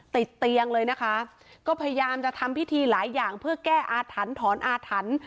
ติดเตียงเลยนะคะก็พยายามจะทำพิธีหลายอย่างเพื่อแก้อาถรรพ์ถอนอาถรรพ์